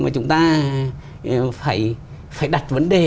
chúng ta phải đặt vấn đề